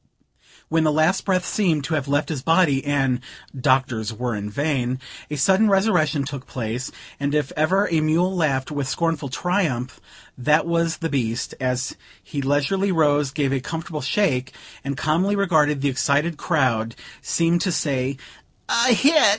When the last breath seemed to have left his body, and "Doctors were in vain," a sudden resurrection took place; and if ever a mule laughed with scornful triumph, that was the beast, as he leisurely rose, gave a comfortable shake; and, calmly regarding the excited crowd seemed to say "A hit!